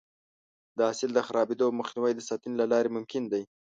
د حاصل د خرابېدو مخنیوی د ساتنې له لارې ممکن دی.